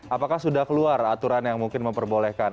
apakah sudah keluar aturan yang mungkin memperbolehkan